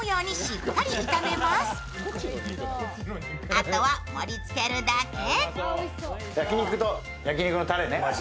あとは盛りつけるだけ。